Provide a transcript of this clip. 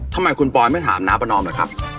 ทำไมคุณปอยไม่ถามน้าประนอมเหรอครับ